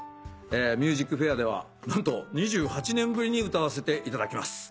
『ＭＵＳＩＣＦＡＩＲ』では何と２８年ぶりに歌わせていただきます。